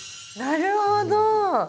なるほど！